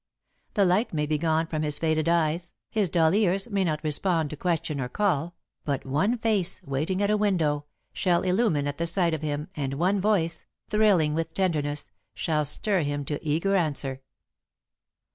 The light may be gone from his faded eyes, his dull ears may not respond to question or call, but one face, waiting at a window, shall illumine at the sight of him, and one voice, thrilling with tenderness, shall stir him to eager answer.